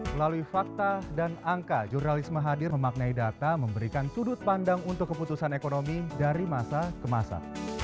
melalui fakta dan angka jurnalisme hadir memaknai data memberikan sudut pandang untuk keputusan ekonomi dari masa ke masa